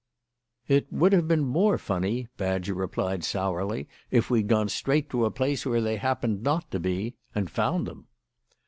"It would have been more funny," Badger replied sourly, "if we'd gone straight to a place where they happened not to be and found them."